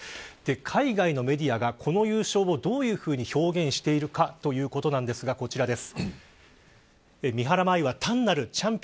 海外のメディアがこの優勝をどういうふうに表現しているかということなんですがこちらです。